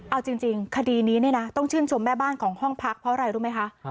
เอาจริงคดีนี้เนี่ยนะต้องชื่นชมแม่บ้านของห้องพักเพราะอะไรรู้ไหมคะ